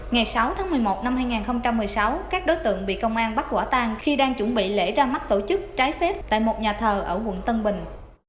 ngày sáu tháng một mươi một năm hai nghìn một mươi sáu các đối tượng bị công an bắt quả tang khi đang chuẩn bị lễ ra mắt tổ chức trái phép tại một nhà thờ ở quận tân bình